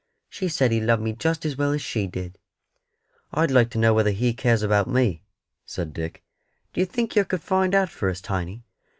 She said He loved me just as well as she did." "I'd like to know whether He cares about me," said Dick. "D'ye think yer could find out for us, Tiny?